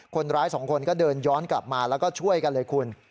คนร้ายสองคนก็เดินย้อนกลับมาแล้วก็ช่วยกันเลยคุณ